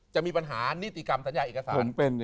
จะมีปัญหานิติกรรมสัญญาเอกสาร